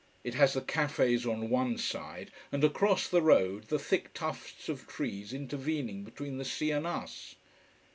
It has the cafés on one side and across the road the thick tufts of trees intervening between the sea and us.